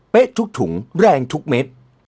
ทุกถุงแรงทุกเม็ด